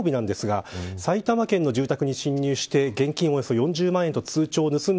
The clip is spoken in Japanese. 先週の金曜日なんですが埼玉県の住宅に侵入して現金およそ４０万と通帳を盗んだ